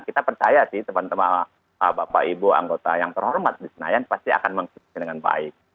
kita percaya sih teman teman bapak ibu anggota yang terhormat di senayan pasti akan mengkritik dengan baik